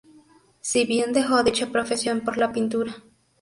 Si bien dejó dicha profesión por la pintura.